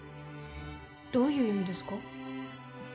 どういう意味ですか？